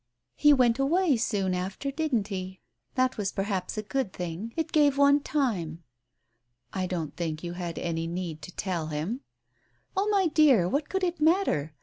"He went away so soon after, didn't he? That was perhaps a good thing — it gave one time " "I don't think you had any need to tell him." "Oh, my dear, what could it matter?